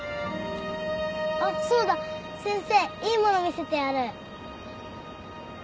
あっそうだ先生いいもの見せてやる。